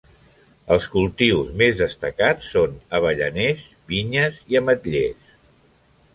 Els cultius més destacats són avellaners, vinyes i ametllers.